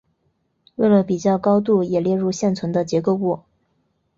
为了比较高度也列入现存的结构物。